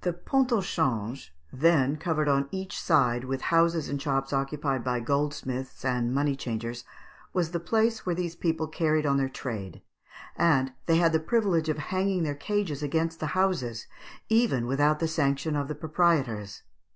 The Pont au Change (then covered on each side with houses and shops occupied by goldsmiths and money changers) was the place where these people carried on their trade; and they had the privilege of hanging their cages against the houses, even without the sanction of the proprietors.